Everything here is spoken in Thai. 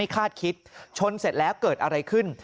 คาดคิดชนเสร็จแล้วเกิดอะไรขึ้น